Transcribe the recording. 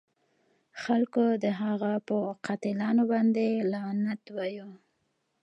خلکو د هغه په قاتلانو باندې لعنت وایه.